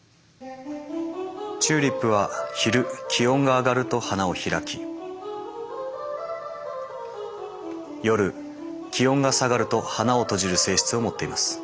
チューリップは昼気温が上がると花を開き夜気温が下がると花を閉じる性質を持っています。